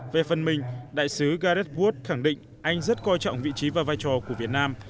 về phần mình đại sứ gareth wood khẳng định anh rất coi trọng vị trí và vai trò của việt nam